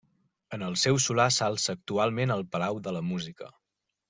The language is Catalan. En el seu solar s'alça actualment el Palau de la Música.